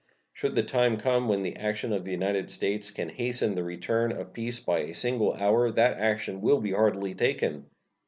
Should the time come when the action of the United States can hasten the return of peace by a single hour, that action will be heartily taken.